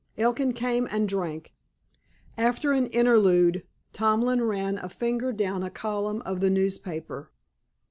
Elkin came and drank. After an interlude, Tomlin ran a finger down a column of the newspaper.